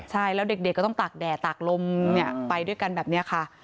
ใช่แล้วเด็กก็ต้องตากแดดตากลมไปด้วยกันแบบนี้ค่ะ